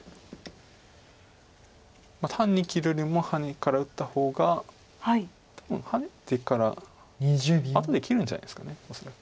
単に切るよりもハネから打った方が多分ハネてから後で切るんじゃないですか恐らく。